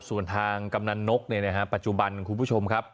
ส่วนทางกำนักนกเนี่ยนะฮะปัจจุบันคุณผู้ชมครับ